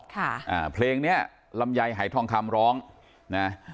ค่ะอ่าเพลงเนี้ยลำไยหายทองคำร้องนะ